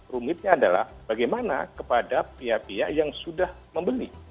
rumitnya adalah bagaimana kepada pihak pihak yang sudah membeli